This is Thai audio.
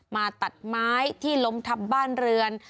มาตัดไม้ที่ล้มทับบ้านเรือน